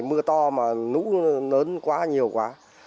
mưa to mà núi lớn quá nhiều quá